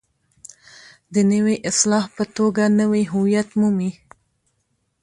د نوې اصطلاح په توګه نوی هویت مومي.